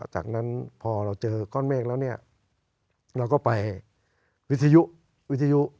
จากนั้นพอเราเจอก้อนเมฆแล้วเนี่ยเราก็ไปวิทยุวิทยุ